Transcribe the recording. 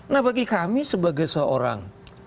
nah bagi kami sebagai seorang